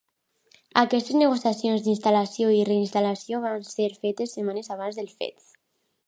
Aquestes negociacions d'instal·lació i reinstal·lació van ser fetes setmanes abans dels fets.